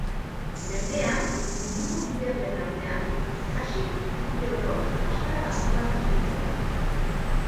Mendean, munduko bi gerlen artean, kasik urte oroz maskarada antolatzen zuten.